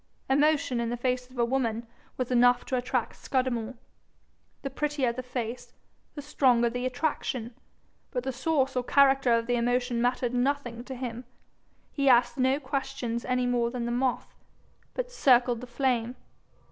Emotion in the face of a woman was enough to attract Scudamore; the prettier the face, the stronger the attraction, but the source or character of the emotion mattered nothing to him: he asked no questions any more than the moth, but circled the flame.